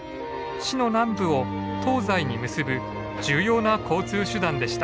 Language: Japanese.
市の南部を東西に結ぶ重要な交通手段でした。